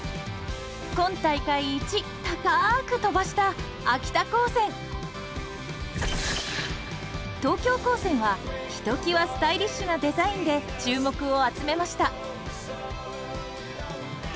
今大会一高く飛ばしたひときわスタイリッシュなデザインで注目を集めました。